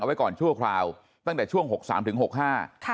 เอาไว้ก่อนชั่วคราวตั้งแต่ช่วง๖๓ถึง๖๕ค่ะ